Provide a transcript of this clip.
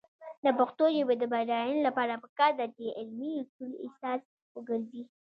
د پښتو ژبې د بډاینې لپاره پکار ده چې علمي اصول اساس وګرځي.